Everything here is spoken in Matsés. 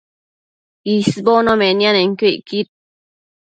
isbono nemianenquio icquid